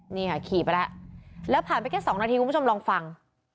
นี้ละกี่ไปแหละและผ่านไปแค่สองนาทีก็ไม่ทรงลองฟัง